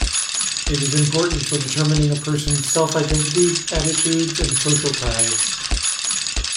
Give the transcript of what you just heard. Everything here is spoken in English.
It is important for determining a person's self-identity, attitudes, and social ties.